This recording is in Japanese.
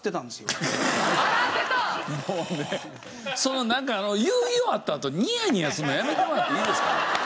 そのなんか言い終わったあとニヤニヤするのやめてもらっていいですか？